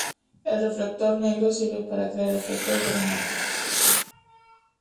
El reflector negro sirve para crear efectos dramáticos.